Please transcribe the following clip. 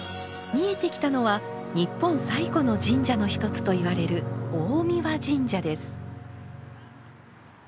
見えてきたのは日本最古の神社の一つといわれる大神神社です。